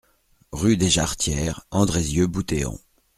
Rue des Jarretières, Andrézieux-Bouthéon